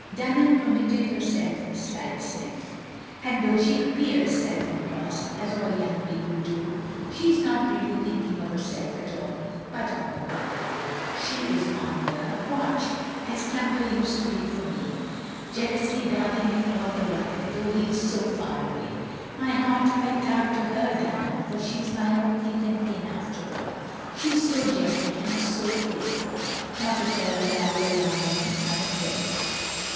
Dunham permitted herself a slight sniff. "And though she appears self engrossed, as all young people do, she is not really thinking of herself at all, but of her brother. She is on the 48 THE LONELY LADY watch, as Clumber used to be for me; jealously guarding him all the while, though he is so far away. My heart went out to her, Dunham, for she is my own kith and kin after all. She is so gentle and so faithful. Not at all the vulgar young woman I had dreaded.